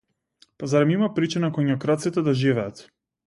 Па зарем има причина коњокрадците да живеат?